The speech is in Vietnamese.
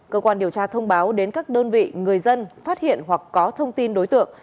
cơ quan điều tra thông báo đến các đơn vị người dân phát hiện hoặc có thông tin đối tượng